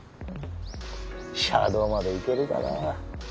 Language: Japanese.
車道まで行けるかなぁ。